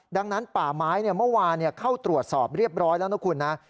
ดังนั้นป่าไม้เมื่อวานเข้าตรวจสอบเรียบร้อยแล้วนะคุณนะ